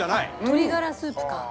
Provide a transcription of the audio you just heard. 鶏がらスープか。